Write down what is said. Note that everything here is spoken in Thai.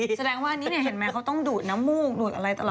แสดงว่าอันนี้เนี่ยเห็นไหมเขาต้องดูดน้ำมูกดูดอะไรตลอด